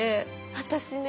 私ね